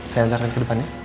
saya antarkan ke depan ya